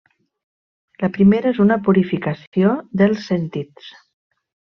La primera és una purificació dels sentits.